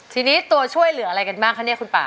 ทีนี้ตัวช่วยเหลืออะไรกันบ้างคะเนี่ยคุณป่า